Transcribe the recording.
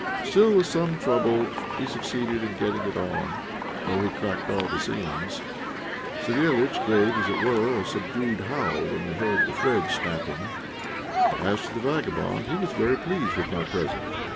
Still, with some trouble, he succeeded in getting it on, though he cracked all the seams. Savéliitch gave, as it were, a subdued howl when he heard the threads snapping. As to the vagabond, he was very pleased with my present.